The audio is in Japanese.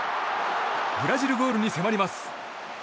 ブラジルゴールに迫ります。